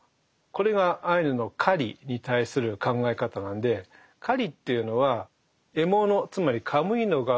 これがアイヌの狩りに対する考え方なんで狩りっていうのは獲物つまりカムイの側から人間を選ぶ。